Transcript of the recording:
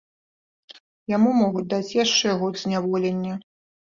Яму могуць дадаць яшчэ год зняволення.